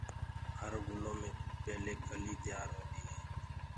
هر گُلو مي پيلي ڪِلي تيآر هوندي هي۔